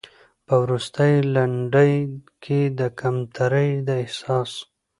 په وروستۍ لنډۍ کې د کمترۍ د احساس